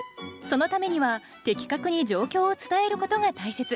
そのためには的確に状況を伝えることが大切。